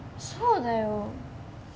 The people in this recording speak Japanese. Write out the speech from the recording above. そうだよ。